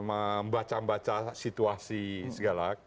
membaca baca situasi segala